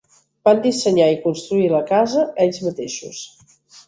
Van dissenyar i construir la casa ells mateixos.